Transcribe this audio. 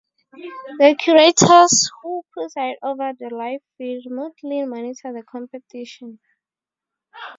The curators who preside over the live feed remotely monitor the competition.